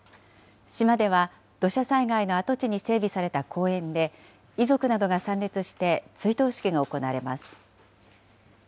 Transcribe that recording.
島では土砂災害の跡地に整備された公園で、遺族などが参列して追悼式が行われます。